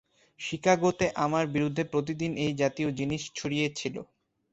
শিকাগোতে আমার বিরুদ্ধে প্রতিদিন এই জাতীয় জিনিস ছড়িয়ে ছিল।